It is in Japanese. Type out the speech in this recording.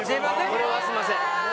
これはすみません。